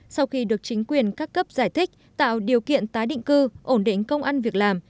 sau khi được chính quyền các cấp giải thích tạo điều kiện tái định cư ổn định công ăn việc làm